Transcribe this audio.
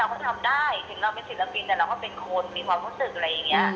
หนูก็เลยให้ตอนที่หยุดแล้วหนูก็ถึงเบียร์จากเพื่อนเขามาซากหัวเขา